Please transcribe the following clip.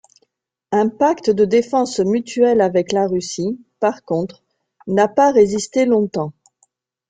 Un pacte de défense mutuelle avec la Russie, par contre, n'a pas résisté longtemps.